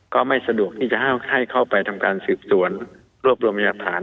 ก็ไม่สะดวกที่จะให้เข้าไปทำการสืบสวนรวบรวมพยาฐาน